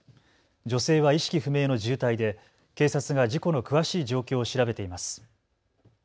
女性は意識不明の重体で警察が事故の詳しい状況を調べています。